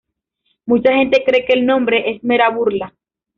Mucha gente cree que el nombre es mera burla.